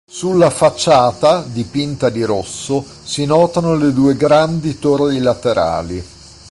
Sulla facciata, dipinta di rosso, si notano le due grandi torri laterali.